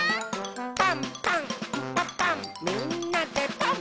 「パンパンんパパンみんなでパン！」